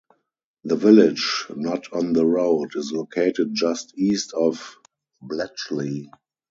The village, not on the road, is located just east of Bletchley.